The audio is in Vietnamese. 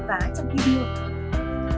đã tăng tốc với quyết tâm dùng suy nghĩ